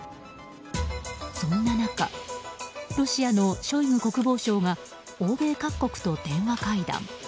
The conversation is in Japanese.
そんな中ロシアのショイグ国防相が欧米各国と電話会談。